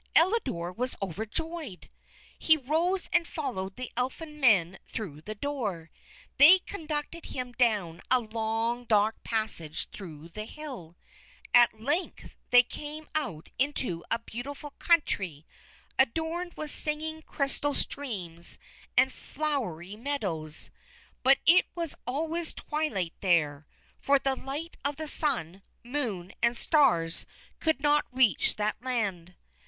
Elidore was overjoyed. He rose and followed the Elfin Men through the door. They conducted him down a long, dark passage through the hill. At length they came out into a beautiful country adorned with singing crystal streams and flowery meadows. But it was always twilight there, for the light of the sun, moon, and stars could not reach that land.